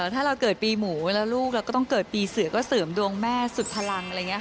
ถ้าเราเกิดปีหมูเวลาลูกเราก็ต้องเกิดปีเสือก็เสริมดวงแม่สุดพลังอะไรอย่างนี้ค่ะ